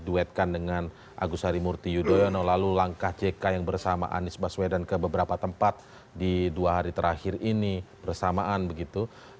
di duet kan dengan agus harimurti yudhoyono lalu langkah jk yang bersama anis bafedan ke beberapa tempat di dua hari terakhir ini bersamaan begitu